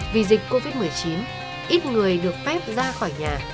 vì dịch covid một mươi chín ít người được phép ra khỏi nhà